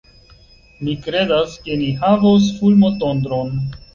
Mi kredas, ke ni havos fulmotondron.